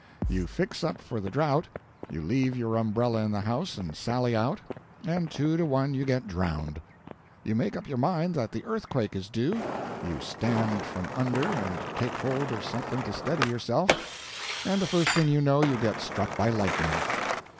You fix up for the drought; you leave your umbrella in the house and sally out, and two to one you get drowned. You make up your mind that the earthquake is due; you stand from under, and take hold of something to steady yourself, and the first thing you know you get struck by lightning.